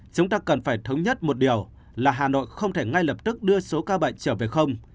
chúng ta cần phải thống nhất một điều là hà nội không thể ngay lập tức đưa số ca bệnh trở về không